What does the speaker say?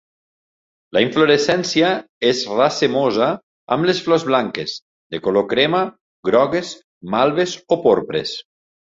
La inflorescència és racemosa amb les flors blanques, de color crema, grogues, malves o porpres.